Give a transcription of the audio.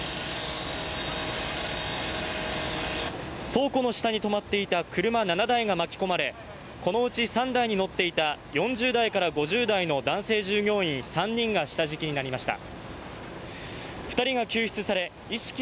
倉庫の下に止まっていた車７台が巻き込まれこのうち３台に乗っていた４０代から５０代の男性作業員３人が下敷きになりました。